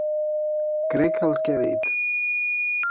Crec el que ha dit.